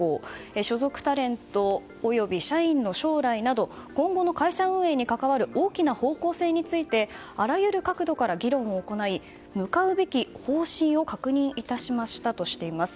所属タレントおよび社員の将来など今後の会社運営に関わる大きな方向性についてあらゆる角度から議論を行い向かうべき方針を確認いたしましたとしています。